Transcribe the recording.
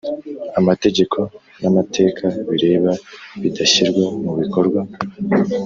Amategeko n amateka bireba bidashyirwa mu bikorwa